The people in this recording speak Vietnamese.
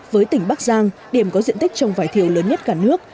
với tỉnh bắc giang điểm có diện tích trồng vải thiều lớn nhất cả nước